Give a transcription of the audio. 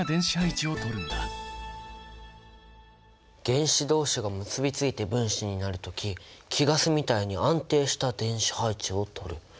原子同士が結びついて分子になる時貴ガスみたいに安定した電子配置をとる。